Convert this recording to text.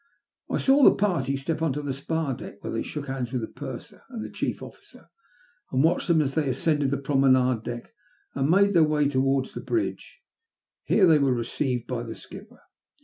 I saw the party step on to the spar deck, where they shook bands with the purser and the chief officer, and watched them as they ascended to the promenade deck and made their way towards the bridge. Here they were received by the skipper.